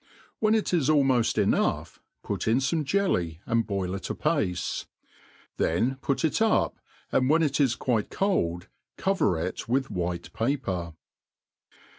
When it Is almoft enough, pu^ in fome jelly and boil it lipace ; then put ic up, and when it is quite cold, coyer it ^itb white paper.